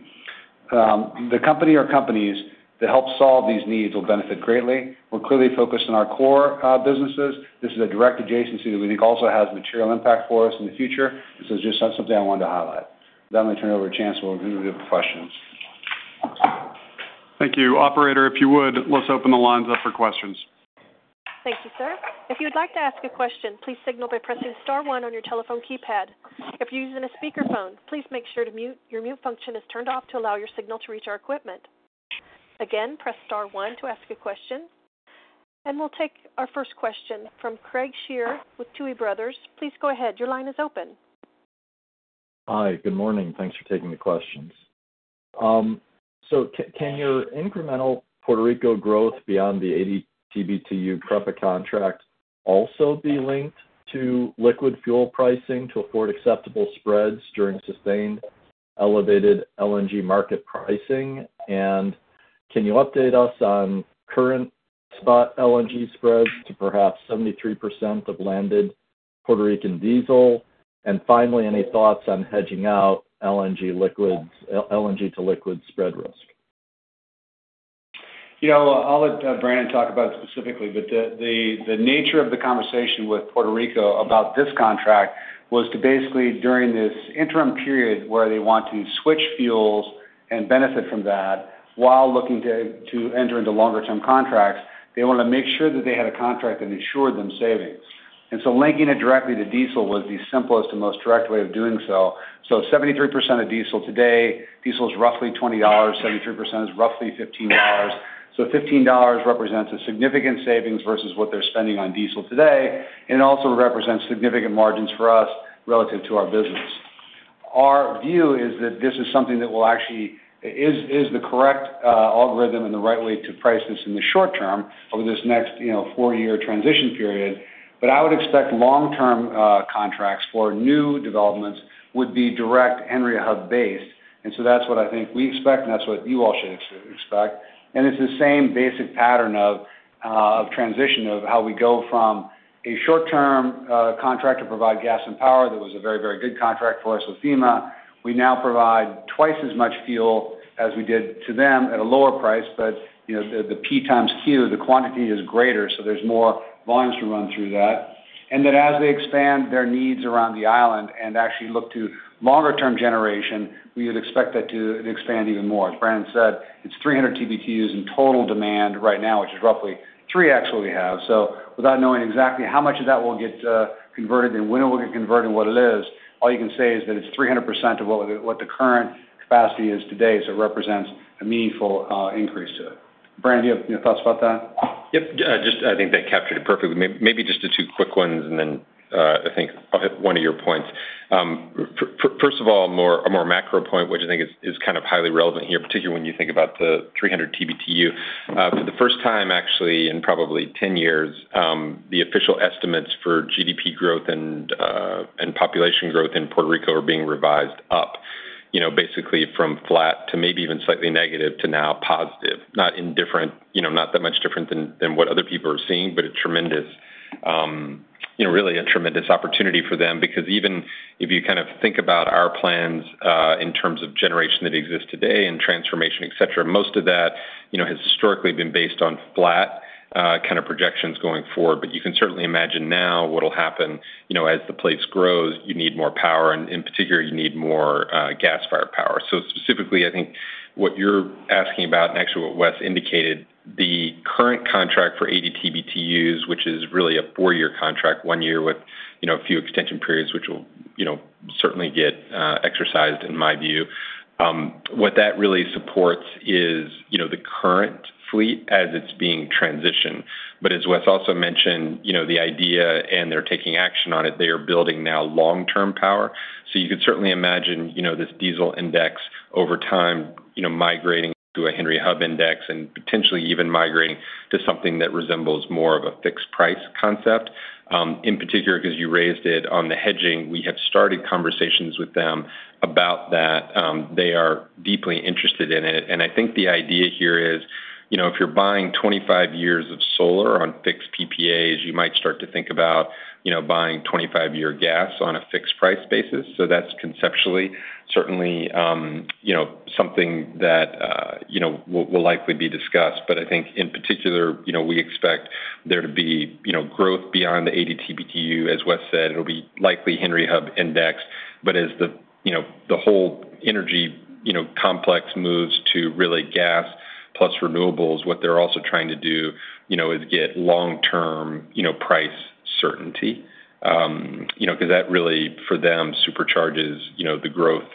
The company or companies that help solve these needs will benefit greatly. We're clearly focused on our core businesses. This is a direct adjacency that we think also has material impact for us in the future, and so it's just something I wanted to highlight. With that, I'm going to turn over a chance for a few questions. Thank you. Operator, if you would, let's open the lines up for questions. Thank you, sir. If you would like to ask a question, please signal by pressing star one on your telephone keypad. If you're using a speakerphone, please make sure to mute. Your mute function is turned off to allow your signal to reach our equipment. Again, press star one to ask a question. We'll take our first question from Craig Shere with Tuohy Brothers. Please go ahead. Your line is open. Hi. Good morning. Thanks for taking the questions. So can your incremental Puerto Rico growth beyond the 80 TBTU PREPA contract also be linked to liquid fuel pricing to afford acceptable spreads during sustained elevated LNG market pricing? And can you update us on current spot LNG spreads to perhaps 73% of landed Puerto Rican diesel? And finally, any thoughts on hedging out LNG to liquid spread risk? I'll let Brannen talk about it specifically, but the nature of the conversation with Puerto Rico about this contract was to basically, during this interim period where they want to switch fuels and benefit from that while looking to enter into longer-term contracts, they want to make sure that they had a contract that ensured them savings. And so linking it directly to diesel was the simplest and most direct way of doing so. So 73% of diesel today, diesel's roughly $20, 73% is roughly $15. So $15 represents a significant savings versus what they're spending on diesel today, and it also represents significant margins for us relative to our business. Our view is that this is something that will actually is the correct algorithm and the right way to price this in the short term over this next four-year transition period. But I would expect long-term contracts for new developments would be direct Henry Hub-based. And so that's what I think we expect, and that's what you all should expect. And it's the same basic pattern of transition of how we go from a short-term contract to provide gas and power that was a very, very good contract for us with FEMA. We now provide twice as much fuel as we did to them at a lower price, but the P times Q, the quantity is greater, so there's more volumes to run through that. And then as they expand their needs around the island and actually look to longer-term generation, we would expect that to expand even more. As Brannen said, it's 300 TBTUs in total demand right now, which is roughly 3x what we have. Without knowing exactly how much of that will get converted and when it will get converted and what it is, all you can say is that it's 300% of what the current capacity is today, so it represents a meaningful increase to it. Brannen, do you have any thoughts about that? Yep. Just, I think that captured it perfectly. Maybe just the two quick ones, and then I think I'll hit one of your points. First of all, a more macro point, which I think is kind of highly relevant here, particularly when you think about the 300 TBTU. For the first time, actually, in probably 10 years, the official estimates for GDP growth and population growth in Puerto Rico are being revised up, basically from flat to maybe even slightly negative to now positive. Not that much different than what other people are seeing, but really a tremendous opportunity for them because even if you kind of think about our plans in terms of generation that exists today and transformation, etc., most of that has historically been based on flat kind of projections going forward. But you can certainly imagine now what'll happen as the place grows. You need more power, and in particular, you need more gas-fired power. So specifically, I think what you're asking about and actually what Wes indicated, the current contract for 80 TBTUs, which is really a four-year contract, one year with a few extension periods, which will certainly get exercised, in my view. What that really supports is the current fleet as it's being transitioned. But as Wes also mentioned, the idea and they're taking action on it, they are building now long-term power. So you could certainly imagine this diesel index over time migrating to a Henry Hub index and potentially even migrating to something that resembles more of a fixed price concept. In particular, because you raised it on the hedging, we have started conversations with them about that. They are deeply interested in it. And I think the idea here is if you're buying 25 years of solar on fixed PPAs, you might start to think about buying 25-year gas on a fixed price basis. So that's conceptually certainly something that will likely be discussed. But I think in particular, we expect there to be growth beyond the 80 TBTU. As Wes said, it'll be likely Henry Hub index. But as the whole energy complex moves to really gas plus renewables, what they're also trying to do is get long-term price certainty because that really, for them, supercharges the growth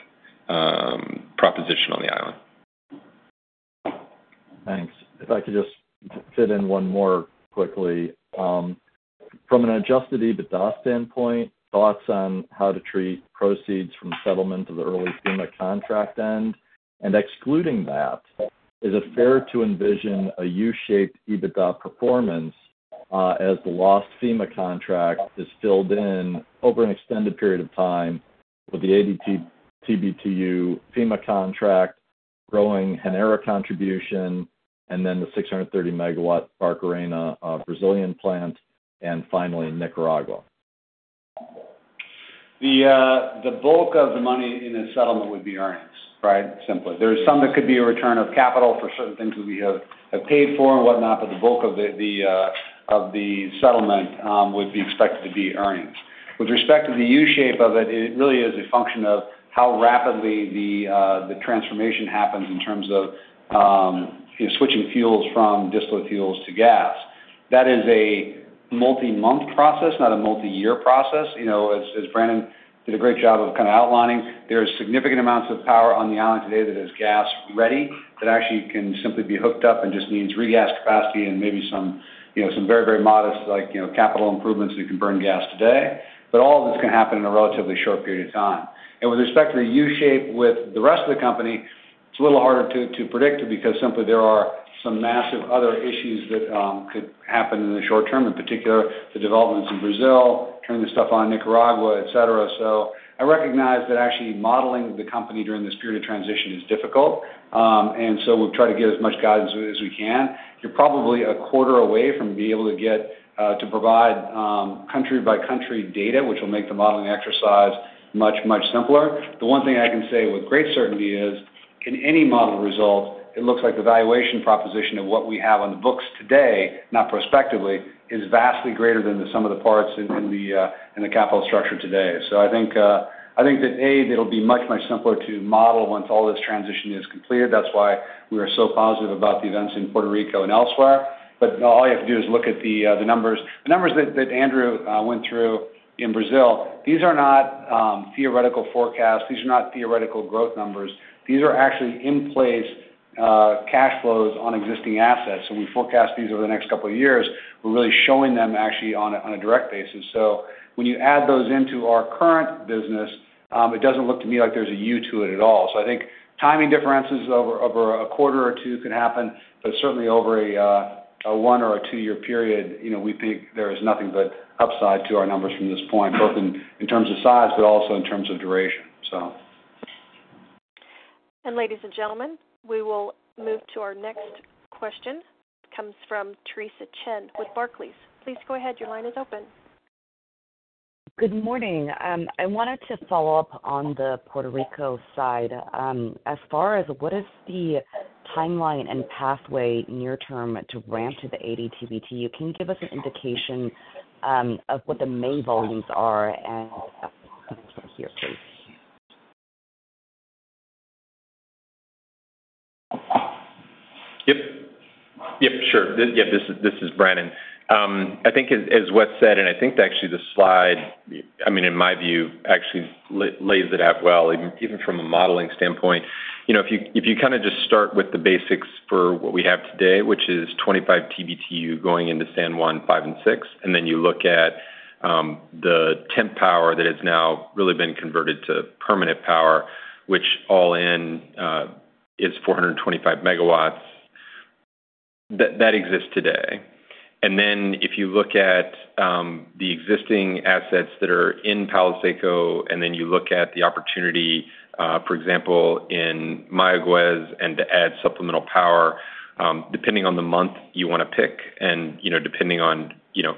proposition on the island. Thanks. If I could just fit in one more quickly. From an adjusted EBITDA standpoint, thoughts on how to treat proceeds from settlement of the early FEMA contract end. And excluding that, is it fair to envision a U-shaped EBITDA performance as the lost FEMA contract is filled in over an extended period of time with the 80 TBTU FEMA contract, growing Genera contribution, and then the 630 MW Barcarena, Brazilian plant, and finally Nicaragua? The bulk of the money in the settlement would be earnings, right, simply. There's some that could be a return of capital for certain things that we have paid for and whatnot, but the bulk of the settlement would be expected to be earnings. With respect to the U-shape of it, it really is a function of how rapidly the transformation happens in terms of switching fuels from diesel fuels to gas. That is a multi-month process, not a multi-year process. As Brannen did a great job of kind of outlining, there are significant amounts of power on the island today that is gas-ready that actually can simply be hooked up and just needs regas capacity and maybe some very, very modest capital improvements that can burn gas today. But all of this can happen in a relatively short period of time. With respect to the U-shape with the rest of the company, it's a little harder to predict because simply there are some massive other issues that could happen in the short term, in particular, the developments in Brazil, turning this stuff on in Nicaragua, etc. I recognize that actually modeling the company during this period of transition is difficult. We've tried to get as much guidance as we can. You're probably a quarter away from being able to provide country-by-country data, which will make the modeling exercise much, much simpler. The one thing I can say with great certainty is, in any model result, it looks like the valuation proposition of what we have on the books today, not prospectively, is vastly greater than the sum of the parts in the capital structure today. So, I think that, A, that it'll be much, much simpler to model once all this transition is completed. That's why we are so positive about the events in Puerto Rico and elsewhere. But all you have to do is look at the numbers. The numbers that Andrew went through in Brazil, these are not theoretical forecasts. These are not theoretical growth numbers. These are actually in-place cash flows on existing assets. So when we forecast these over the next couple of years, we're really showing them actually on a direct basis. So when you add those into our current business, it doesn't look to me like there's a U to it at all. So I think timing differences over a quarter or two could happen, but certainly over a one or a two-year period, we think there is nothing but upside to our numbers from this point, both in terms of size but also in terms of duration, so. Ladies and gentlemen, we will move to our next question. It comes from Theresa Chen with Barclays. Please go ahead. Your line is open. Good morning. I wanted to follow up on the Puerto Rico side. As far as what is the timeline and pathway near-term to ramp to the 80 TBTU? Can you give us an indication of what the May volumes are? And if that's possible here, please. Yep. Yep, sure. Yeah, this is Brannen. I think as Wes said, and I think actually the slide, I mean, in my view, actually lays it out well. Even from a modeling standpoint, if you kind of just start with the basics for what we have today, which is 25 TBTU going into San Juan 5 and 6, and then you look at the temp power that has now really been converted to permanent power, which all in is 425 MW, that exists today. Then if you look at the existing assets that are in Palo Seco, and then you look at the opportunity, for example, in Mayagüez and to add supplemental power, depending on the month you want to pick and depending on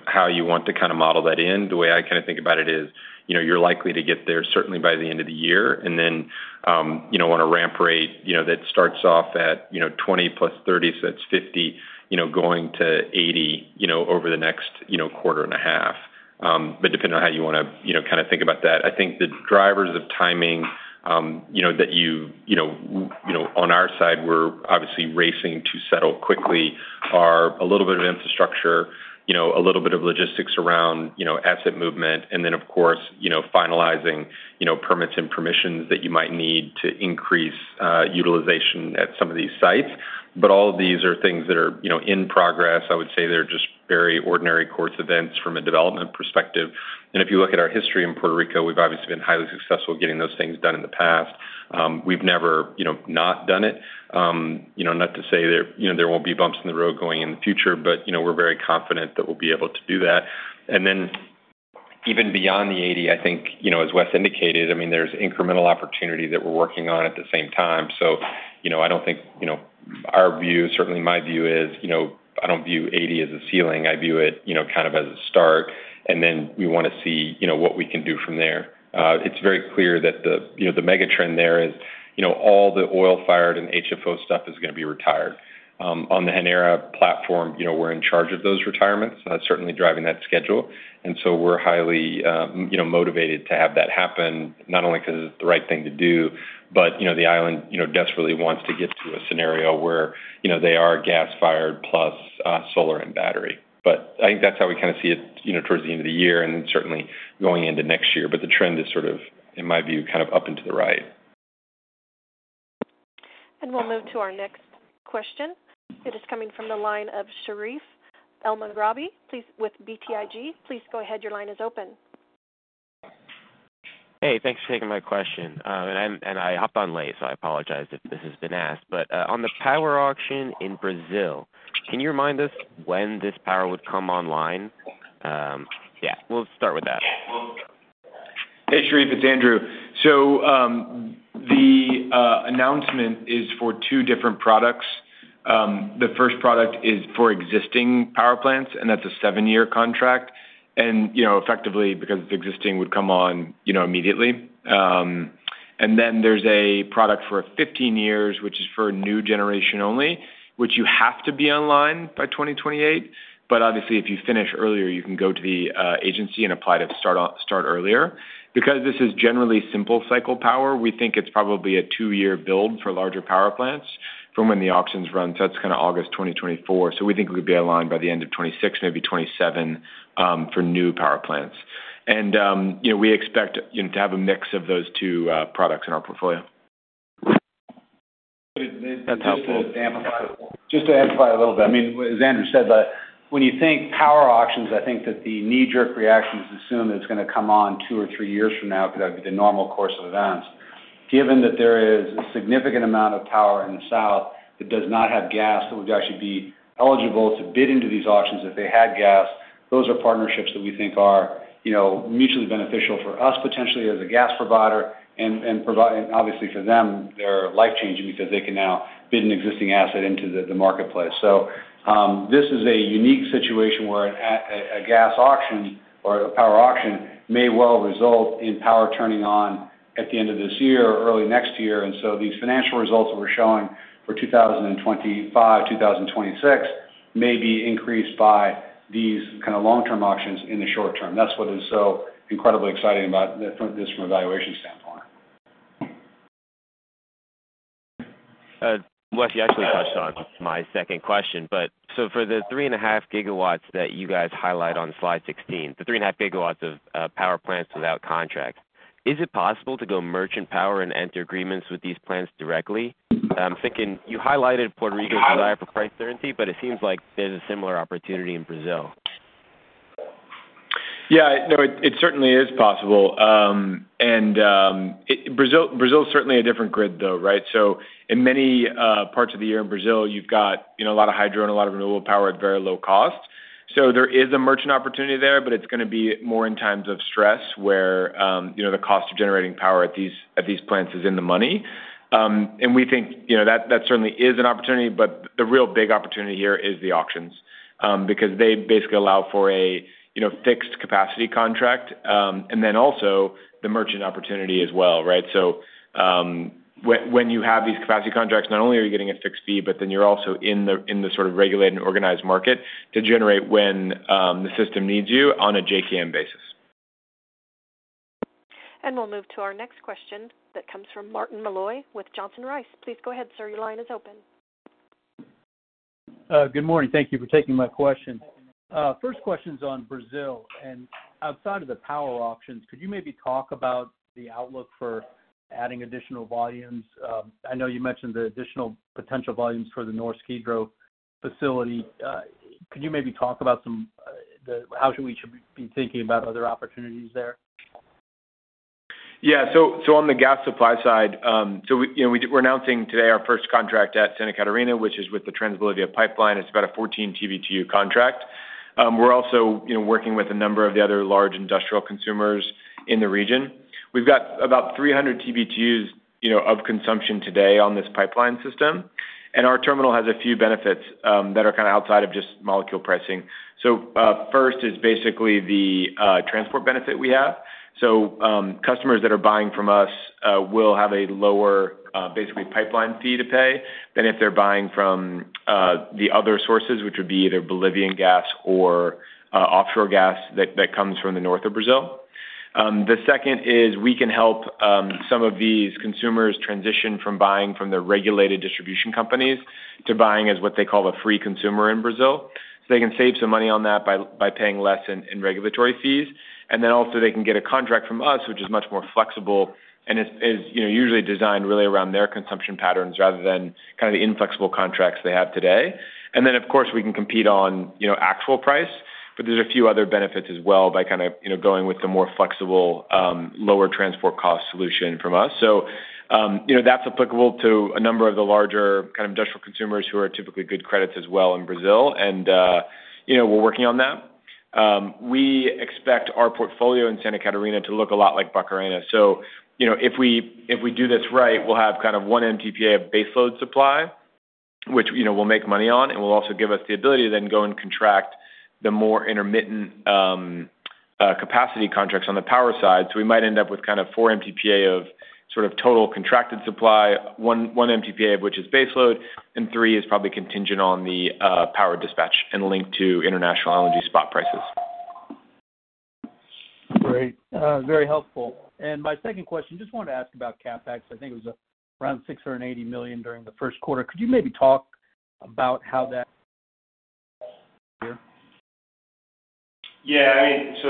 how you want to kind of model that in, the way I kind of think about it is you're likely to get there certainly by the end of the year and then want a ramp rate that starts off at 20 plus 30, so that's 50, going to 80 over the next quarter and a half. But depending on how you want to kind of think about that, I think the drivers of timing that you on our side, we're obviously racing to settle quickly, are a little bit of infrastructure, a little bit of logistics around asset movement, and then, of course, finalizing permits and permissions that you might need to increase utilization at some of these sites. But all of these are things that are in progress. I would say they're just very ordinary course events from a development perspective. And if you look at our history in Puerto Rico, we've obviously been highly successful getting those things done in the past. We've never not done it. Not to say there won't be bumps in the road going in the future, but we're very confident that we'll be able to do that. And then even beyond the 80, I think, as Wes indicated, I mean, there's incremental opportunity that we're working on at the same time. So I don't think our view, certainly my view is I don't view 80 as a ceiling. I view it kind of as a start. And then we want to see what we can do from there. It's very clear that the megatrend there is all the oil-fired and HFO stuff is going to be retired. On the Genera platform, we're in charge of those retirements. That's certainly driving that schedule. And so we're highly motivated to have that happen, not only because it's the right thing to do, but the island desperately wants to get to a scenario where they are gas-fired plus solar and battery. But I think that's how we kind of see it towards the end of the year and then certainly going into next year. But the trend is sort of, in my view, kind of up and to the right. We'll move to our next question. It is coming from the line of Sherif Elmaghrabi with BTIG. Please go ahead. Your line is open. Hey. Thanks for taking my question. I hopped on late, so I apologize if this has been asked. On the power auction in Brazil, can you remind us when this power would come online? Yeah. We'll start with that. Hey, Sherif. It's Andrew. So the announcement is for two different products. The first product is for existing power plants, and that's a seven-year contract. And effectively, because it's existing, would come on immediately. And then there's a product for 15 years, which is for new generation only, which you have to be online by 2028. But obviously, if you finish earlier, you can go to the agency and apply to start earlier. Because this is generally simple cycle power, we think it's probably a two-year build for larger power plants from when the auctions run. So that's kind of August 2024. So we think it would be online by the end of 2026, maybe 2027, for new power plants. And we expect to have a mix of those two products in our portfolio. That's helpful. Just to amplify a little bit. I mean, as Andrew said, when you think power auctions, I think that the knee-jerk reaction is to assume that it's going to come on two or three years from now because that would be the normal course of events. Given that there is a significant amount of power in the south that does not have gas, that would actually be eligible to bid into these auctions if they had gas, those are partnerships that we think are mutually beneficial for us potentially as a gas provider. And obviously, for them, they're life-changing because they can now bid an existing asset into the marketplace. So this is a unique situation where a gas auction or a power auction may well result in power turning on at the end of this year or early next year. And so these financial results that we're showing for 2025, 2026 may be increased by these kind of long-term auctions in the short term. That's what is so incredibly exciting about this from a valuation standpoint. Wes, you actually touched on my second question. But so for the 3.5 GW that you guys highlight on slide 16, the 3.5 GW of power plants without contract, is it possible to go merchant power and enter agreements with these plants directly? I'm thinking you highlighted Puerto Rico's desire for price certainty, but it seems like there's a similar opportunity in Brazil. Yeah. No, it certainly is possible. Brazil's certainly a different grid, though, right? So in many parts of the year in Brazil, you've got a lot of hydro and a lot of renewable power at very low cost. So there is a merchant opportunity there, but it's going to be more in times of stress where the cost of generating power at these plants is in the money. And we think that certainly is an opportunity. But the real big opportunity here is the auctions because they basically allow for a fixed capacity contract and then also the merchant opportunity as well, right? So when you have these capacity contracts, not only are you getting a fixed fee, but then you're also in the sort of regulated and organized market to generate when the system needs you on a JKM basis. We'll move to our next question that comes from Martin Malloy with Johnson Rice. Please go ahead, sir. Your line is open. Good morning. Thank you for taking my question. First question's on Brazil. Outside of the power auctions, could you maybe talk about the outlook for adding additional volumes? I know you mentioned the additional potential volumes for the Norsk Hydro facility. Could you maybe talk about how we should be thinking about other opportunities there? Yeah. So on the gas supply side, so we're announcing today our first contract at Santa Catarina, which is with the Trans-Bolivia Pipeline. It's about a 14 TBTU contract. We're also working with a number of the other large industrial consumers in the region. We've got about 300 TBTUs of consumption today on this pipeline system. And our terminal has a few benefits that are kind of outside of just molecule pricing. So first is basically the transport benefit we have. So customers that are buying from us will have a lower, basically, pipeline fee to pay than if they're buying from the other sources, which would be either Bolivian gas or offshore gas that comes from the north of Brazil. The second is we can help some of these consumers transition from buying from their regulated distribution companies to buying as what they call a free consumer in Brazil. So they can save some money on that by paying less in regulatory fees. And then also, they can get a contract from us, which is much more flexible and is usually designed really around their consumption patterns rather than kind of the inflexible contracts they have today. And then, of course, we can compete on actual price. But there's a few other benefits as well by kind of going with the more flexible, lower transport cost solution from us. So that's applicable to a number of the larger kind of industrial consumers who are typically good credits as well in Brazil. And we're working on that. We expect our portfolio in Santa Catarina to look a lot like Barcarena. So if we do this right, we'll have kind of 1 MTPA of baseload supply, which we'll make money on, and will also give us the ability to then go and contract the more intermittent capacity contracts on the power side. So we might end up with kind of 4 MTPA of sort of total contracted supply, 1 MTPA of which is baseload, and three is probably contingent on the power dispatch and linked to international energy spot prices. Great. Very helpful. And my second question, just wanted to ask about CapEx. I think it was around $680 million during the first quarter. Could you maybe talk about how that year? Yeah. I mean, so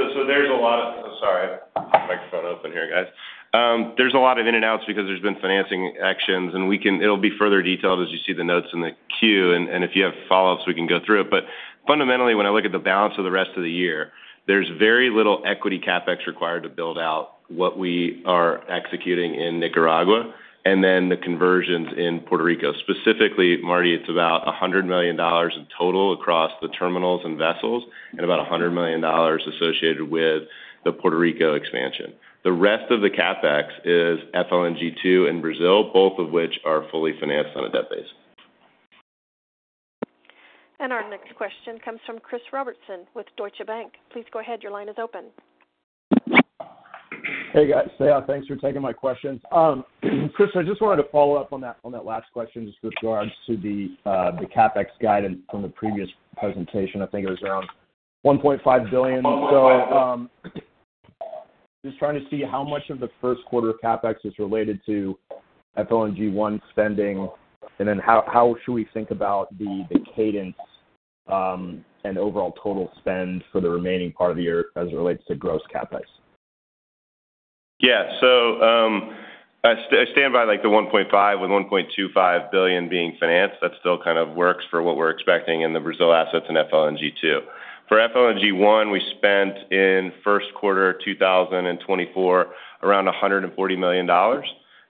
sorry. Microphone open here, guys. There's a lot of ins and outs because there's been financing actions. It'll be further detailed as you see the notes in the Q. If you have follow-ups, we can go through it. But fundamentally, when I look at the balance of the rest of the year, there's very little equity CapEx required to build out what we are executing in Nicaragua and then the conversions in Puerto Rico. Specifically, Marty, it's about $100 million in total across the terminals and vessels and about $100 million associated with the Puerto Rico expansion. The rest of the CapEx is FLNG2 in Brazil, both of which are fully financed on a debt base. Our next question comes from Chris Robertson with Deutsche Bank. Please go ahead. Your line is open. Hey, guys. Say hi. Thanks for taking my questions. Chris, I just wanted to follow up on that last question just with regards to the CapEx guidance from the previous presentation. I think it was around $1.5 billion. So just trying to see how much of the first quarter of CapEx is related to FLNG1 spending, and then how should we think about the cadence and overall total spend for the remaining part of the year as it relates to gross CapEx? Yeah. So I stand by the $1.5 billion with $1.25 billion being financed. That still kind of works for what we're expecting in the Brazil assets and FLNG2. For FLNG1, we spent in first quarter 2024 around $140 million.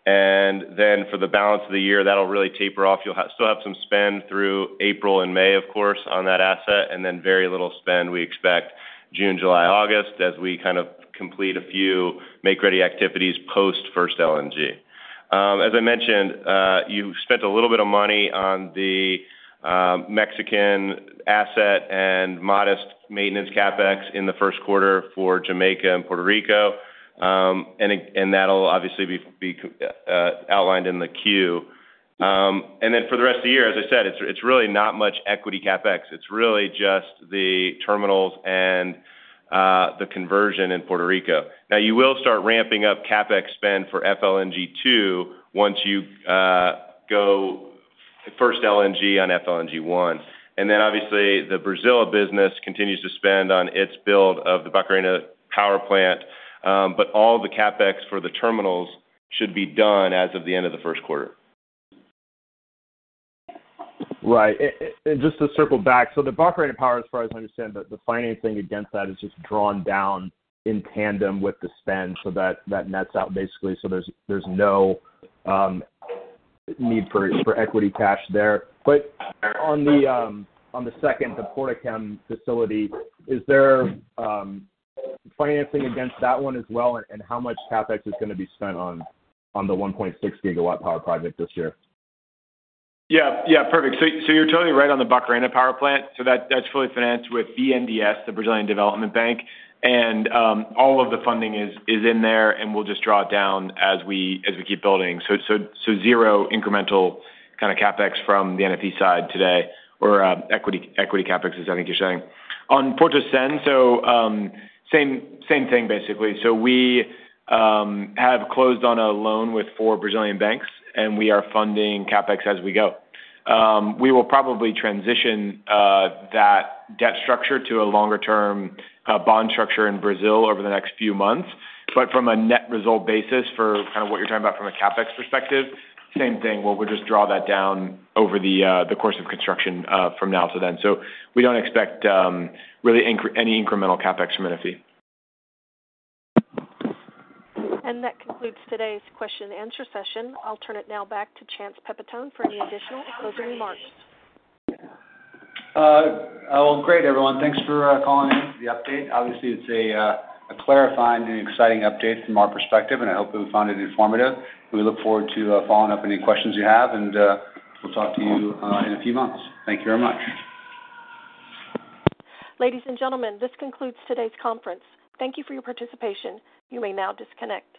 And then for the balance of the year, that'll really taper off. You'll still have some spend through April and May, of course, on that asset, and then very little spend we expect June, July, August as we kind of complete a few make-ready activities post-first LNG. As I mentioned, you spent a little bit of money on the Mexican asset and modest maintenance CapEx in the first quarter for Jamaica and Puerto Rico. And that'll obviously be outlined in the Q. And then for the rest of the year, as I said, it's really not much equity CapEx. It's really just the terminals and the conversion in Puerto Rico. Now, you will start ramping up CapEx spend for FLNG2 once you go first LNG on FLNG1. And then obviously, the Brazil business continues to spend on its build of the Barcarena power plant. But all of the CapEx for the terminals should be done as of the end of the first quarter. Right. And just to circle back, so the Barcarena power, as far as I understand, the financing against that is just drawn down in tandem with the spend so that nets out basically. So there's no need for equity cash there. But on the second, the Portocem facility, is there financing against that one as well, and how much CapEx is going to be spent on the 1.6-gigawatt power project this year? Yeah. Yeah. Perfect. So you're totally right on the Barcarena power plant. So that's fully financed with BNDES, the Brazilian Development Bank. And all of the funding is in there, and we'll just draw it down as we keep building. So zero incremental kind of CapEx from the NFE side today or equity CapEx, is I think you're saying. On Portocem, so same thing, basically. So we have closed on a loan with four Brazilian banks, and we are funding CapEx as we go. We will probably transition that debt structure to a longer-term bond structure in Brazil over the next few months. But from a net result basis for kind of what you're talking about from a CapEx perspective, same thing. We'll just draw that down over the course of construction from now to then. So we don't expect really any incremental CapEx from NFE. That concludes today's question-and-answer session. I'll turn it now back to Chance Pipitone for any additional closing remarks. Well, great, everyone. Thanks for calling in for the update. Obviously, it's a clarifying and exciting update from our perspective, and I hope that we found it informative. We look forward to following up any questions you have, and we'll talk to you in a few months. Thank you very much. Ladies and gentlemen, this concludes today's conference. Thank you for your participation. You may now disconnect.